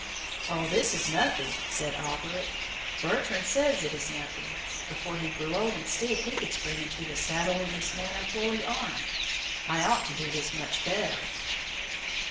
"Oh, this is nothing!" said Alberic. "Bertrand says it is nothing. Before he grew old and stiff he could spring into the saddle in this manner fully armed. I ought to do this much better."